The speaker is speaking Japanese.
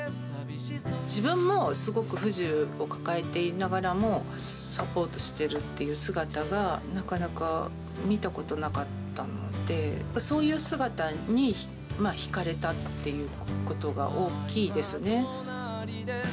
自分もすごく不自由を抱えていながらも、サポートしてるっていう姿が、なかなか見たことなかったので、そういう姿に引かれたっていうことが大きいですね。